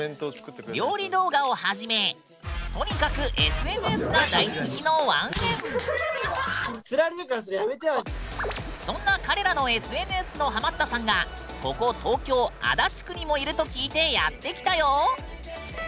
料理動画をはじめとにかくそんな彼らのＳＮＳのハマったさんがここ東京・足立区にもいると聞いてやって来たよ！